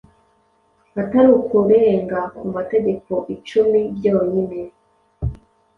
atari ukurenga ku mategeko icumi byonyine.